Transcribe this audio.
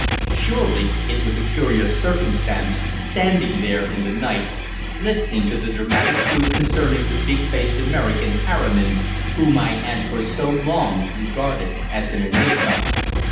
Surely it was a curious circumstance, standing there in the night, listening to the dramatic truth concerning the big faced American, Harriman, whom I had for so long regarded as an enigma.